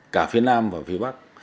cả phía nam và phía bắc